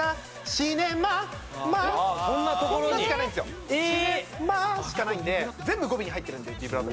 「シネマ」しかないんで全部語尾に入ってるんで。